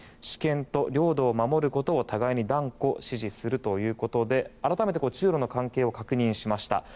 主権と領土を守ることを互いに断固支持するということで改めて中国との関係を確認しました。